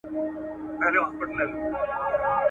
په تېر اختر کي لا هم پټ وم له سیالانو څخه !.